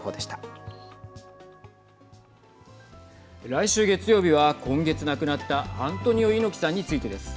来週月曜日は今月亡くなったアントニオ猪木さんについてです。